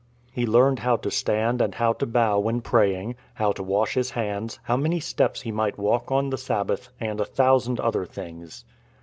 He learned how to stand and how to bow when praying, how to wash his hands, how many steps he might walk on the Sabbath, and a thousand other things.